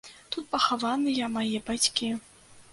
Тут пахаваныя мае бацькі.